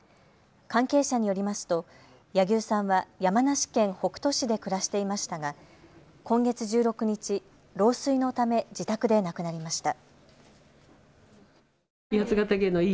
関係者によりますと柳生さんは山梨県北杜市で暮らしていましたが今月１６日、老衰のため自宅で亡くなりました。